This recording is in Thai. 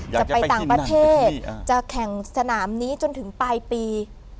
จะไปต่างประเทศจะแข่งสนามนี้จนถึงปลายปี